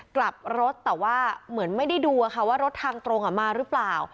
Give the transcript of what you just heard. กลับรถแต่ว่าเหมือนไม่ได้ดูว่ารถทางตรงมาหรือเปล่า